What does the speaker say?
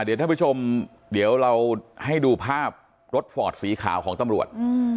เดี๋ยวท่านผู้ชมเดี๋ยวเราให้ดูภาพรถฟอร์ดสีขาวของตำรวจ